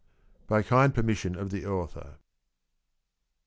(_By kind permission of the Author.